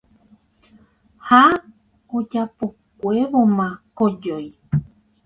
ha ojapokuévoma kojói